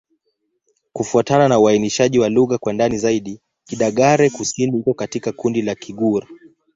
Kufuatana na uainishaji wa lugha kwa ndani zaidi, Kidagaare-Kusini iko katika kundi la Kigur.